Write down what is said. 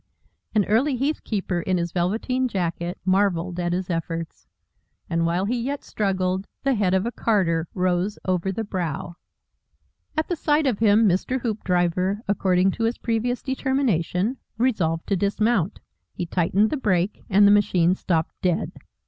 An early heath keeper, in his velveteen jacket, marvelled at his efforts. And while he yet struggled, the head of a carter rose over the brow. At the sight of him Mr. Hoopdriver, according to his previous determination, resolved to dismount. He tightened the brake, and the machine stopped dead.